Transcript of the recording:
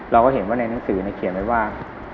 เราก็เห็นว่าในหนังสือเขียนไว้ว่า